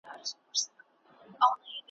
د بېلتون سندري وایم د جانان کیسه کومه ,